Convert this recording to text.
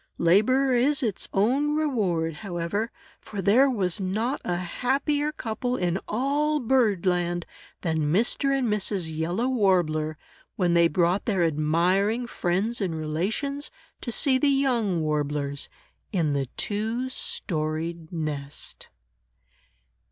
"Labor is its own reward," however, for there was not a happier couple in all bird land than Mr. and Mrs. Yellow Warbler, when they brought their admiring friends and relations, to see the young Warblers, in the two storied nest.